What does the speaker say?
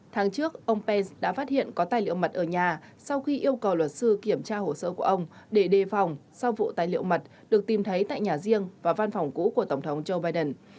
tháng trước ông pence đã phát hiện có tài liệu mật ở nhà sau khi yêu cầu luật sư kiểm tra hồ sơ của ông để đề phòng sau vụ tài liệu mật được tìm thấy tại nhà riêng và văn phòng cũ của tổng thống joe biden